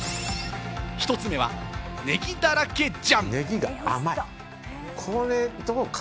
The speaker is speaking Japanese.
１つ目はネギだらけ醤。